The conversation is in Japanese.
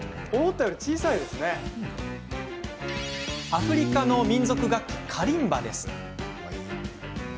アフリカの民族楽器カリンバです。